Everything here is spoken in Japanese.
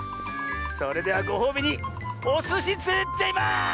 それではごほうびにおすしつれてっちゃいます！